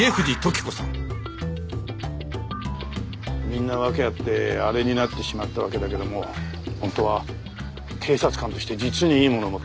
みんな訳あって「あれ」になってしまったわけだけども本当は警察官として実にいいものを持ってる。